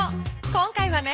今回はね